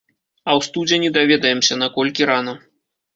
А ў студзені даведаемся, наколькі рана.